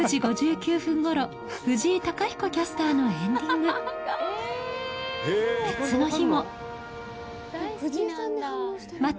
６時５９分頃藤井貴彦キャスターのエンディングかわいい！